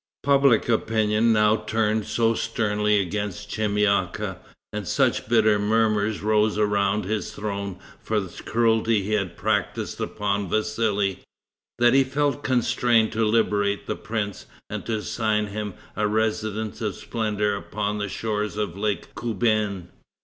Public opinion now turned so sternly against Chemyaka, and such bitter murmurs rose around his throne for the cruelty he had practiced upon Vassali, that he felt constrained to liberate the prince, and to assign him a residence of splendor upon the shores of lake Kouben.